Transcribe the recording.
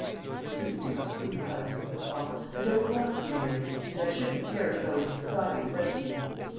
"Please do not speak of husbands, papa. I don't want to be married, and I shouldn't care to go into society without you."